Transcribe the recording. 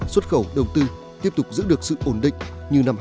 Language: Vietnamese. xuất khẩu đồng tư tiếp tục giữ được sự ổn định như năm hai nghìn một mươi tám